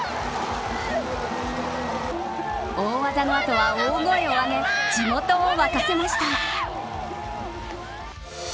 大技の後は大声を上げ地元を沸かせました。